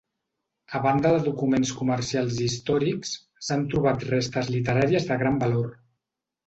A banda de documents comercials i històrics, s'han trobat restes literàries de gran valor.